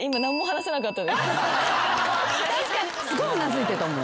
すごいうなずいてたもん。